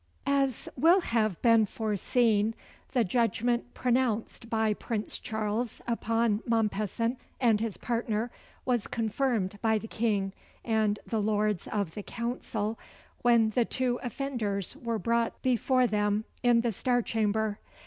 As will have been foreseen, the judgment pronounced by Prince Charles upon Mompesson and his partner, was confirmed by the King and the Lords of the Council, when the two offenders were brought be them in the Star Chamber.